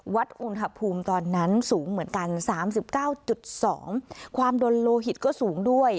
วัดอุณหภูมิตอนนั้นสูงเหมือนกัน๓๙๒ความโดนโลหิตก็สูงด้วย